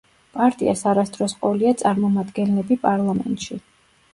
პარტიას არასდროს ყოლია წარმომადგენლები პარლამენტში.